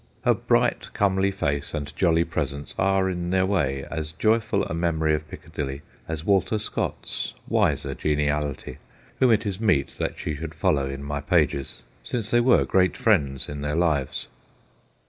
Her bright, comely face and jolly presence are, in their way, as joyful a memory of Piccadilly as Walter Scott's wiser geniality, whom it is meet that she should follow in my pages, since they were great friends in their lives.